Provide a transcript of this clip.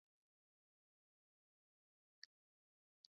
কিন্তু আমাদের বেলায়, আমরা তোমার গাড়ি ব্যবহার করতে পারব।